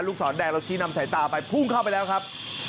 ศรแดงเราชี้นำสายตาไปพุ่งเข้าไปแล้วครับ